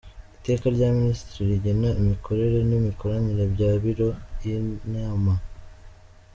Iteka rya Minisitiri rigena imikorere n‟imikoranire bya Biro y‟Inama